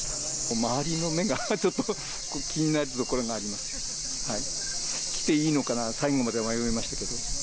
周りの目がちょっと気になるところがありますけど、来ていいのか最後まで迷いましたけど。